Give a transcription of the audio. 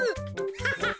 ハハハ！